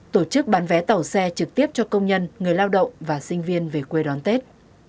tổ chức bán vé tàu xe trực tiếp cho công nhân người lao động và sinh viên về quê đón tết